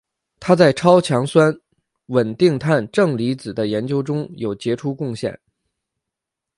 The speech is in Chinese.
他在超强酸稳定碳正离子的研究中有杰出贡献。